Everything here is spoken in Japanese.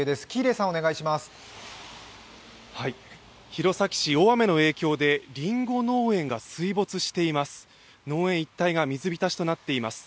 弘前市、大雨の影響でりんご農園が水没しています。